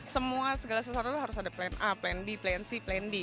semua segala sesuatu harus ada plan a plan b plan c plan d